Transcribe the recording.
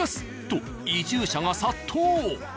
と移住者が殺到。